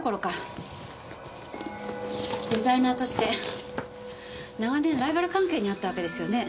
デザイナーとして長年ライバル関係にあったわけですよね。